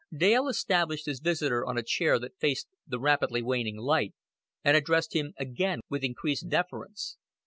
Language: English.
Dale established his visitor on a chair that faced the rapidly waning light, and addressed him again with increased deference.